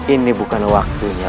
ini bukan waktunya